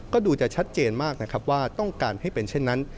ก็ดูจะชัดเจนมากนะครับว่าต้องการให้เป็นเช่นนั้น